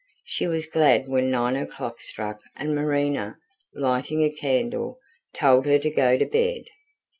She was glad when nine o'clock struck and Marina, lighting a candle, told her to go to bed.